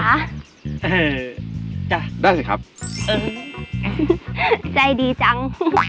เออจ้ะได้สิครับเออใจดีจัง